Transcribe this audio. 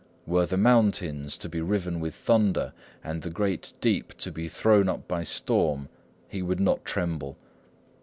Were the mountains to be riven with thunder, and the great deep to be thrown up by storm, he would not tremble.